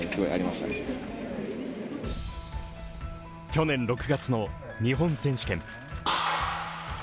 去年６月の日本選手権。